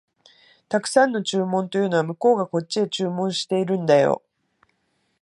沢山の注文というのは、向こうがこっちへ注文してるんだよ